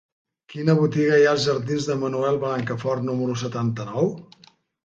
Quina botiga hi ha als jardins de Manuel Blancafort número setanta-nou?